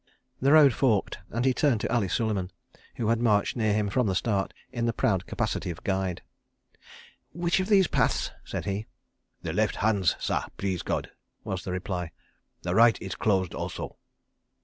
... The road forked, and he turned to Ali Suleiman, who had marched near him from the start, in the proud capacity of guide. "Which of these paths?" said he. "The left hands, sah, please God," was the reply; "the right is closed also."